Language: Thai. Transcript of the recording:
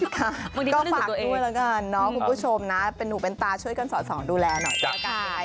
ก็ฝากด้วยแล้วกันเนาะคุณผู้ชมนะเป็นหนูเป็นตาช่วยกันสอดส่องดูแลหน่อยก็แล้วกัน